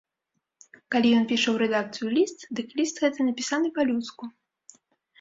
Калі ён піша ў рэдакцыю ліст, дык ліст гэты напісаны па-людску.